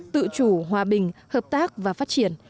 tự chủ hòa bình hợp tác và phát triển